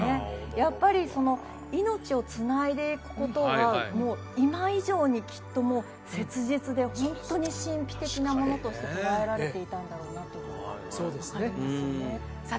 やっぱりその命をつないでいくことが今以上にきっともう切実でホントに神秘的なものとして捉えられていたんだろうなというのが分かりますよねさあ